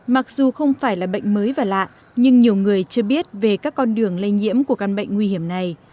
mặc dù không phải là bệnh mới và lạ nhưng nhiều người chưa biết về các con đường lây nhiễm của căn bệnh nguy hiểm này